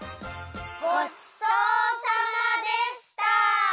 ごちそうさまでした！